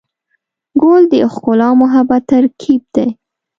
ګل د ښکلا او محبت ترکیب دی.